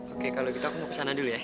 oke kalau gitu aku mau kesana dulu ya